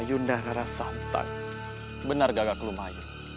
yunda rasantan benar gagak lumayan